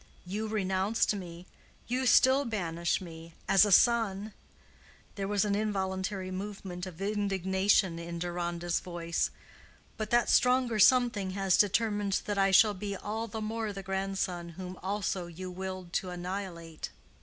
You renounced me—you still banish me—as a son"—there was an involuntary movement of indignation in Deronda's voice—"But that stronger Something has determined that I shall be all the more the grandson whom also you willed to annihilate."